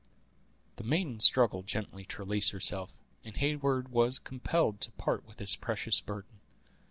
The maiden struggled gently to release herself, and Heyward was compelled to part with his precious burden.